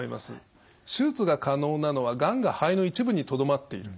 手術が可能なのはがんが肺の一部にとどまっている。